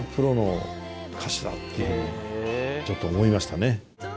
っていうふうにちょっと思いましたね。